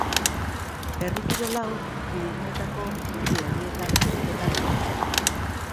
Herri kirol hau Pirinioetako mendi-herrietan egiten da gehienbat.